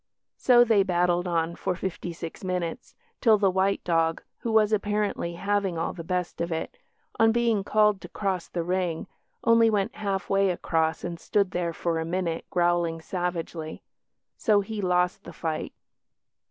So they battled on for fifty six minutes, till the white dog (who was apparently having all the best of it), on being called to cross the ring, only went half way across and stood there for a minute growling savagely. So he lost the fight.